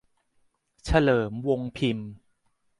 เฉลิม วงค์พิมพ์